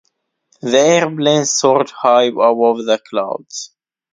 The airplane soared high above the clouds.